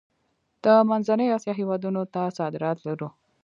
د منځنۍ اسیا هیوادونو ته صادرات لرو؟